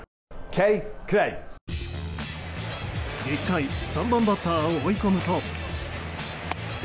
１回、３番バッターを追い込むと。